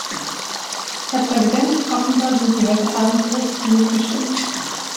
Herr Präsident, offenbar sind Sie heute Abend großzügig gestimmt.